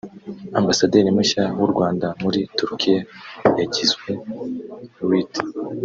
Ambasaderi mushya w’u Rwanda muri Turkiya yagizwe Lt